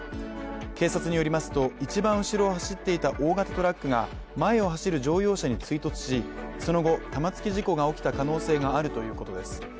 警察によりますと、一番後ろを走っていた大型トラックが前を走る乗用車に追突し、その後、玉突き事故が起きた可能性があるということです。